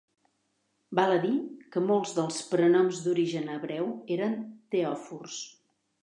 Val a dir que molts dels prenoms d'origen hebreu eren teòfors.